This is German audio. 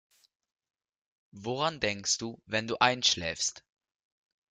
Woran denkst du, wenn du einschläfst?